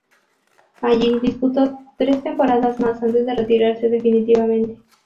Allí disputó tres temporadas más antes de retirarse definitivamente.